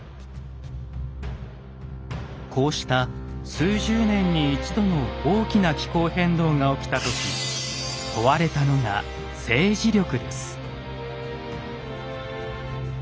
こうした数十年に一度の大きな気候変動が起きた時問われたのが政治力です。